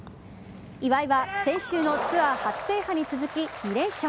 岩井は先週のツアー初制覇に続き２連勝。